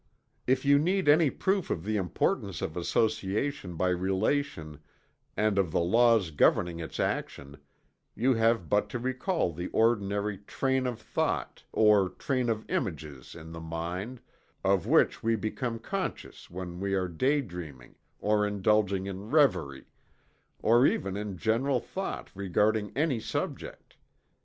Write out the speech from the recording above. If you need any proof of the importance of association by relation, and of the laws governing its action, you have but to recall the ordinary "train of thought" or "chain of images" in the mind, of which we become conscious when we are day dreaming or indulging in reverie, or even in general thought regarding any subject.